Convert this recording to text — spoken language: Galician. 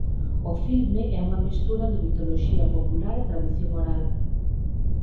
O filme é unha mestura de mitoloxía popular e tradición oral.